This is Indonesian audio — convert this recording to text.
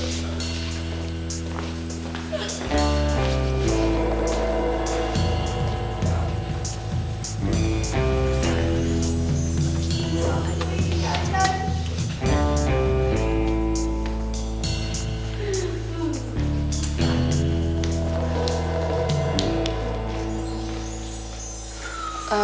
selamat siang pak